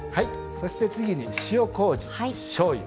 そして次に塩こうじしょうゆ